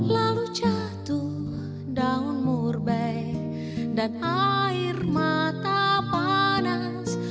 lalu jatuh daun murbe dan air mata panas